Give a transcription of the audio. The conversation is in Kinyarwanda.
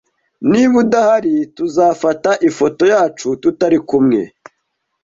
Niba udahari, tuzafata ifoto yacu tutari kumwe.